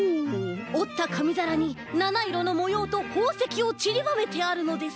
おったかみざらに７いろのもようとほうせきをちりばめてあるのです。